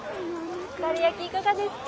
かるやきいかがですか？